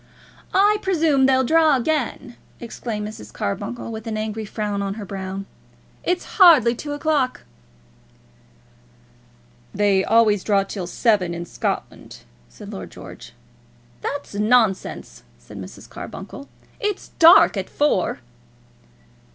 "I presume they'll draw again," exclaimed Mrs. Carbuncle, with an angry frown on her brow. "It's hardly two o'clock." "They always draw till seven, in Scotland," said Lord George. "That's nonsense," said Mrs. Carbuncle. "It's dark at four."